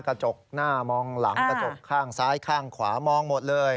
กระจกหน้ามองหลังกระจกข้างซ้ายข้างขวามองหมดเลย